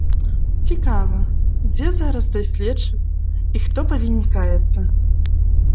Цікава, дзе зараз той следчы, і хто павінен каяцца?